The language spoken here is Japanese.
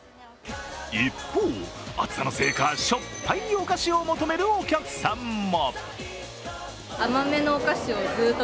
一方、暑さのせいか、しょっぱいお菓子を求めるお客さんも。